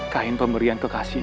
kain pemberian kekasihku